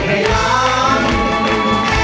คุณยายแดงคะทำไมต้องซื้อลำโพงและเครื่องเสียง